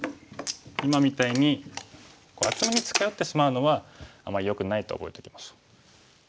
今みたいに厚みに近寄ってしまうのはあまりよくないと覚えておきましょう。